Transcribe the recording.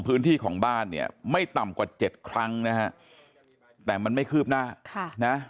พื้นที่ของบ้านเนี่ยไม่ต่ำกว่าเจ็ดครั้งนะฮะแต่มันไม่คืบหน้าค่ะนะ